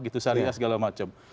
seharian segala macam